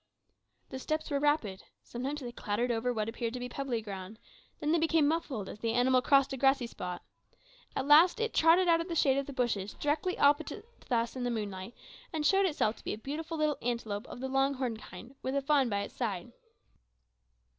The steps were rapid. Sometimes they clattered over what appeared to be pebbly ground, then they became muffled as the animal crossed a grassy spot; at last it trotted out of the shade of the bushes directly opposite to us into the moonlight, and showed itself to be a beautiful little antelope of the long horned kind, with a little fawn by its side.